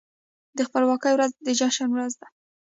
د خپلواکۍ ورځ د جشن ورځ ده.